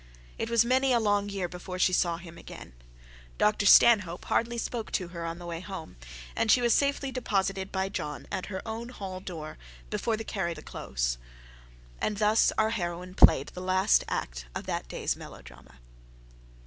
It was many a long year before she saw him again. Dr Stanhope hardly spoke to her on her way home: and she was safely deposited by John at her own hall door, before the carriage drove into the close. And thus our heroine played the last act of that day's melodrama.